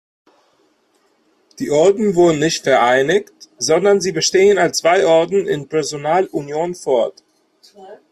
Die Orden wurden nicht vereinigt, sondern sie bestehen als zwei Orden in Personalunion fort.